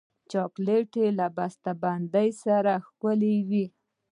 چاکلېټ له بسته بندۍ سره ښکلی وي.